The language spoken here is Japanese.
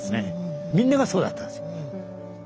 みんながそうだったんです。